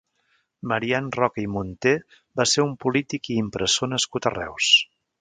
Marian Roca i Munté va ser un polític i impressor nascut a Reus.